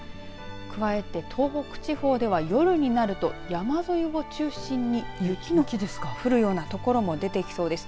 加えて東北地方では、夜になると山沿いを中心に雪の降るような所も出てきそうです。